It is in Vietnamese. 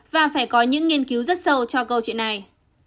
và phải có những nghiên cứu rất sâu cho câu chuyện này